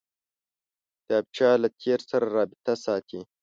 کتابچه له تېر سره رابطه ساتي